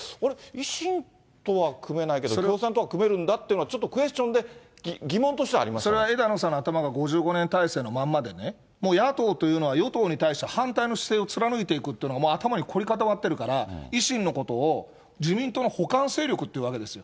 維新とは組めないけど、共産とは組めるんだとはちょっとクエスチョンで、それは枝野さんの頭が、５５年体制のまんまでね、もう野党というのは、与党に対して反対の姿勢を貫いていくというのが頭に凝り固まってるから、維新のことを自民党の補完勢力って言うわけですよ。